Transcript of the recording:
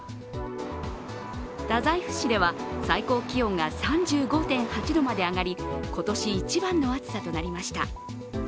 太宰府市では最高気温が３５．８度まで上がり今年一番の暑さとなりました。